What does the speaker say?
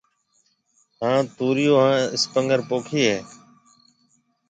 ھان توريو ھان اسپنگر پوکيَ ھيََََ